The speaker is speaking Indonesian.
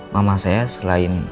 mama saya selain